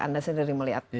anda sendiri melihat